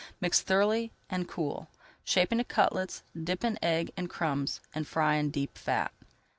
Mix thoroughly, and cool. Shape into cutlets, dip in egg and crumbs and fry in deep fat.